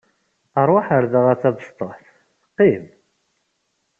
Rwaḥ ɣer da a tabestuḥt, qim!